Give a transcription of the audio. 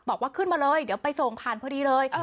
บอกว่าขึ้นมาเลยเดี๋ยวไปส่งพันธุ์พอดีเลยเออ